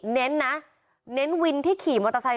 เน้นนะเน้นวินที่ขี่มอเตอร์ไซค